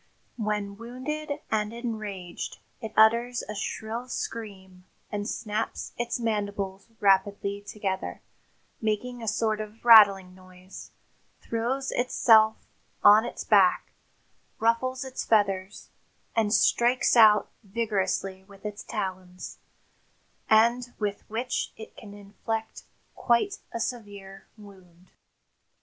When wounded and enraged it utters a shrill scream and snaps its mandibles rapidly together, making a sort of rattling noise, throws itself on its back, ruffles its feathers and strikes out vigorously with its talons, and with which it can inflict quite a severe wound."